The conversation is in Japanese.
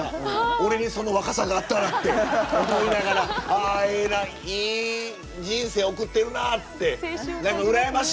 俺にその若さがあったらって思いながらあええないい人生送ってるなって羨ましいなと思って見ました。